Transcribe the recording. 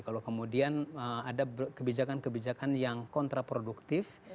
kalau kemudian ada kebijakan kebijakan yang kontraproduktif